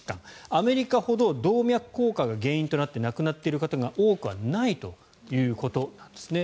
アメリカほど動脈硬化が原因となって亡くなっている人が多くはないということなんですね。